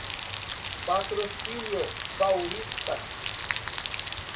Patrocínio Paulista